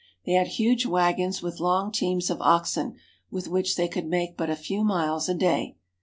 They had huge wagons with long teams of oxen with which they could make but a few miles a day.